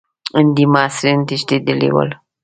هندي محصلین تښتېدلي ول.